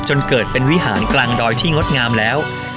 จนเกิดเป็นวิหารกลางดอยที่งดงามแล้ว